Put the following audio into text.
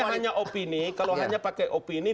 kalau konsepnya hanya opini